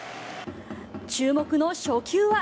注目の初球は。